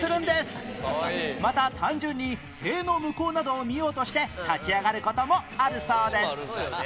また単純に塀の向こうなどを見ようとして立ち上がる事もあるそうです